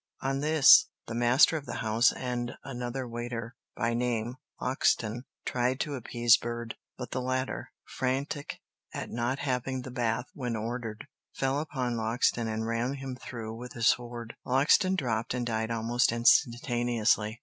On this the master of the house and another waiter, by name Loxton, tried to appease Bird, but the latter, frantic at not having the bath when ordered, fell upon Loxton and ran him through with his sword. Loxton dropped and died almost instantaneously.